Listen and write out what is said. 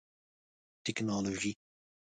ټکنالوژي